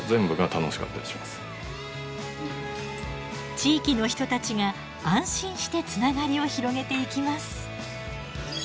地域の人たちが安心してつながりを広げていきます。